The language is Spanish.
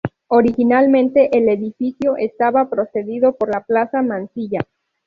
Originalmente el edificio estaba precedido por la Plaza Mansilla.